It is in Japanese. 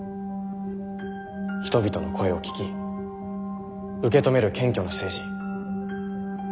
人々の声を聞き受け止める謙虚な政治。